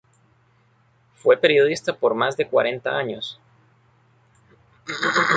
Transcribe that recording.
Fue periodista por más de cuarenta años.